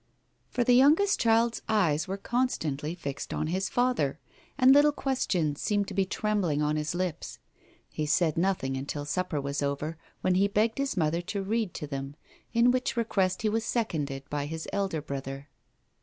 For the youngest child's eyes were constantly fixed on his father, and little questions seemed to be trembling on his lips. He said nothing until supper was over, when he begged his mother to read to them, in which request he was seconded by his elder brother.